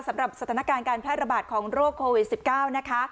สำหรับสถานการณ์การแพร่ระบาดของโรคโควิด๑๙นะคะ